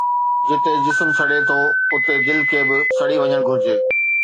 جتي جسم سڙي ٿو اتي دل کي به سڙي وڃڻ گهرجي